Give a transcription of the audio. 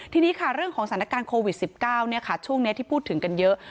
ทีนี้ค่ะเรื่องของสถานการณ์โควิด๑๙ช่วงนี้ที่พูดถึงกันเยอะ